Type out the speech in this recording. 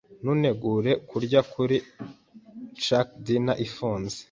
Ntutegure kurya kuri Chuck's Diner. Ifunze.